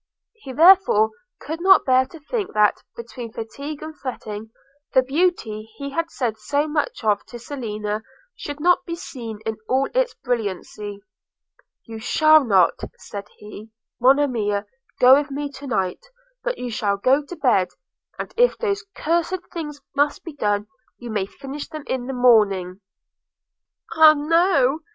He, therefore, could not bear to think that, between fatigue and fretting, the beauty he had said so much of to Selina should not be seen in all its brilliancy. 'You shall not,' said he, 'Monimia, go with me tonight, but you shall go to bed; and if those cursed things must be done, you may finish them in the morning.' 'Ah, no!'